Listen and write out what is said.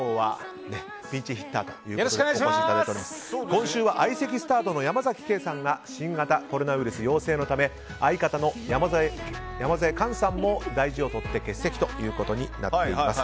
今週は相席スタートの山崎ケイさんが新型コロナウイルスで陽性ということで、相方の山添寛さんも大事を取って欠席ということになっています。